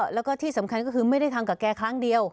แล้วก็ที่สำคัญก็คือไม่ได้ทำกับแกครั้งเดียว